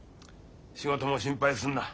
仕事も心配すんな。